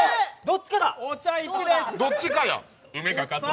どっちかや！